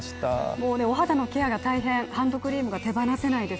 もうお肌のケアが大変、ハンドクリームが手放せないです。